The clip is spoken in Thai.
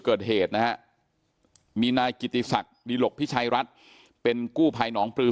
เกิดเหตุนะฮะมีนายกิติศักดิหลกพิชัยรัฐเป็นกู้ภัยหนองปลือ